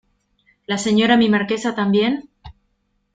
¿ la Señora mi Marquesa también?